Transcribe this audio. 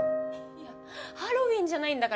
いやハロウィーンじゃないんだからさ